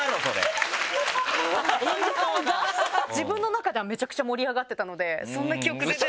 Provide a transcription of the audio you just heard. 自分の中ではめちゃくちゃ盛り上がってたのでそんな記憶全然ない。